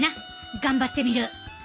頑張ってみる！